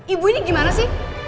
ibu ini gimana sih